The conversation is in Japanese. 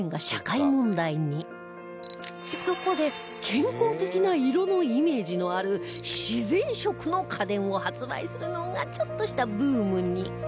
そこで健康的な色のイメージのある自然色の家電を発売するのがちょっとしたブームに